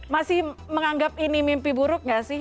masih menganggap ini mimpi buruk gak sih